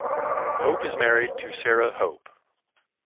Hope is married to Sarah Hope.